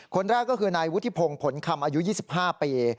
คนแรกก็คือนายวุฒิพงศ์ผลคำอายุ๒๕ปี